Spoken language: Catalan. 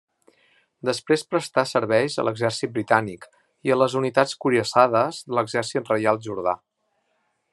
Després prestà serveis a l'exèrcit britànic i a les unitats cuirassades de l'Exèrcit reial jordà.